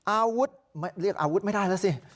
อาวุธเรียกอาวุธไม่ได้แล้วสิ